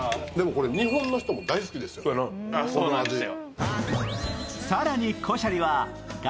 でもこれ、日本の人も大好きですよね、この味。